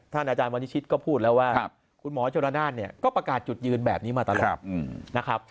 อาจารย์วันนิชิตก็พูดแล้วว่าคุณหมอชนนานเนี่ยก็ประกาศจุดยืนแบบนี้มาตลอดนะครับ